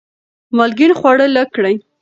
مالګین خواړه لږ کړئ.